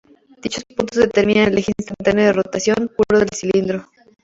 Dichos puntos determinan el eje instantáneo de rotación puro del cilindro.